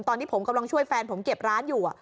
ตอนที่ผมกำลังช่วยแฟนผมเก็บร้านอยู่